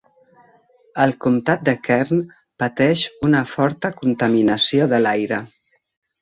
El comtat de Kern pateix una forta contaminació de l'aire.